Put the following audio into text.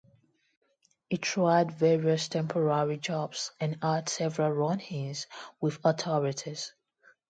He tried various temporary jobs, and had several run-ins with authorities.